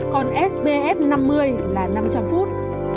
còn spf năm mươi là năm trăm linh phút